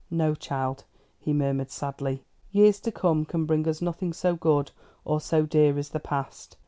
"No, child," he murmured sadly. "Years to come can bring us nothing so good or so dear as the past.